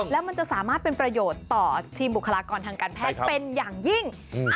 แล้วมันจะสามารถเป็นประโยชน์ต่อทีมบุคลากรทางการแพทย์เป็นอย่างยิ่ง